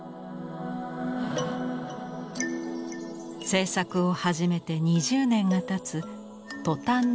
制作を始めて２０年がたつ「トタンに鎹」。